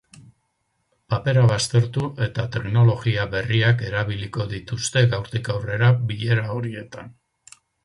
Papera baztertu eta teknologia berriak erabiliko dituzte gaurtik aurrera bilera horietan.